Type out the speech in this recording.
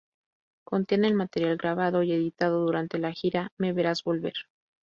Contiene el material grabado y editado durante la gira "Me Verás Volver".